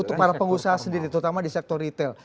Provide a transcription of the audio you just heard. untuk para pengusaha sendiri terutama di sektor retail